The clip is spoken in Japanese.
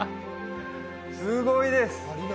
すごいです